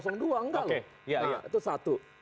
enggak lho nah itu satu